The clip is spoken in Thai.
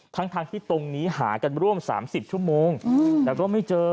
ทั้งที่ตรงนี้หากันร่วม๓๐ชั่วโมงแล้วก็ไม่เจอ